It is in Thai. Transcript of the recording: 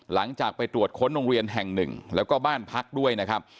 หลังจากไปตรวจค้นโรงเรียนแห่งหนึ่งแล้วก็บ้านพักด้วยนะครับ